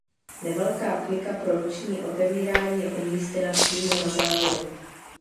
Nevelká klika pro ruční otevírání je umístěna přímo na závěru.